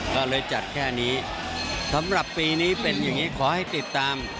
ก็เลยจัดแค่นี้สำหรับปีนี้เป็นอย่างนี้ขอให้ติดตาม